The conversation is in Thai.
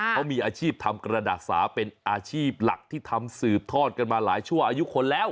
เขามีอาชีพทำกระดาษสาเป็นอาชีพหลักที่ทำสืบทอดกันมาหลายชั่วอายุคนแล้ว